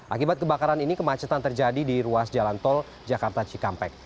akibat kebakaran ini kemacetan terjadi di ruas jalan tol jakarta cikampek